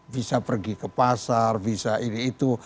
bisa pergi ke pasar bisa ini itu